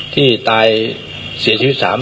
ที่ตายเสียชีวิต๓คน